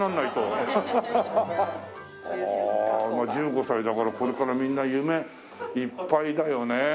ああまあ１５歳だからこれからみんな夢いっぱいだよね。